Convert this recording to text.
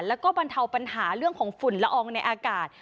แล้วก็บรรเทาปัญหาเรื่องของฝุ่นละอองในอากาศ